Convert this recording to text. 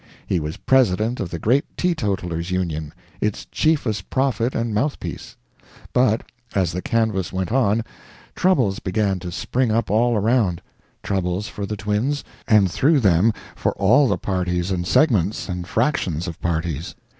He was president of the great Teetotalers' Union, its chiefest prophet and mouthpiece. But as the canvass went on, troubles began to spring up all around troubles for the twins, and through them for all the parties and segments and fractions of parties.